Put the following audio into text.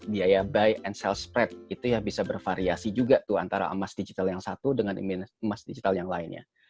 biaya buy and self spread itu ya bisa bervariasi juga tuh antara emas digital yang satu dengan emas digital yang lainnya